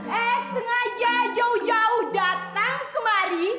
eh sengaja jauh jauh datang kemari